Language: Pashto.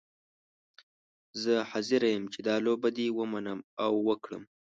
زه حاضره یم چې دا لوبه دې ومنم او وکړم.